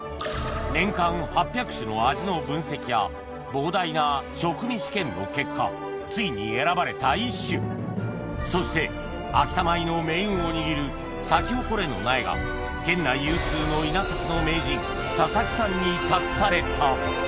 年間８００種の味の分析や膨大な食味試験の結果ついに選ばれた１種そして秋田米の命運を握るサキホコレの苗が県内有数の稲作の名人佐々木さんに託された